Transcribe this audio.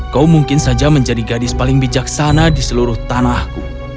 kau mungkin saja menjadi gadis paling bijaksana di seluruh tanahku